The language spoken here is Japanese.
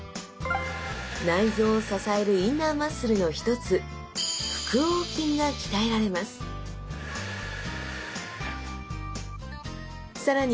内臓を支えるインナーマッスルの一つ腹横筋が鍛えられます更に！